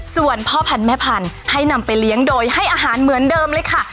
ส่วนพ่อพันธุ์แม่พันธุ์ให้นำไปเลี้ยงโดยให้อาหารเหมือนเดิมเลยค่ะ